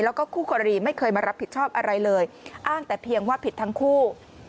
แล้วก็คู่กรณีไม่เคยมารับผิดชอบอะไรเลยอ้างแต่เพียงว่าผิดทั้งคู่